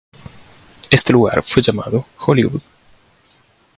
Este lugar fue llamado "Hollywood".